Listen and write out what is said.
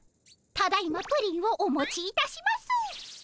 ただいまプリンをお持ちいたします。